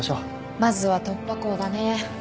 まずは突破口だね。